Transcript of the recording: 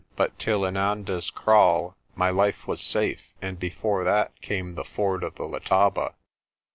But till Inanda's Kraal my life was safe, and before that came the ford of the Letaba.